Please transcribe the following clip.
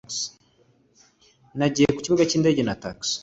nagiye ku kibuga cy'indege na tagisi